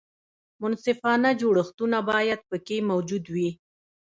منصفانه جوړښتونه باید پکې موجود وي.